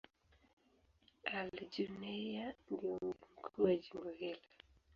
Al-Junaynah ndio mji mkuu wa jimbo hili.